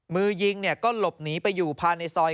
มือยิงก็หลบหนีไปอยู่ภายในซอย